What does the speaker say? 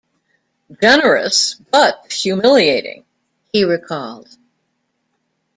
"Generous but humiliating", he recalled.